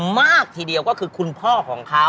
มากทีเดียวก็คือคุณพ่อของเขา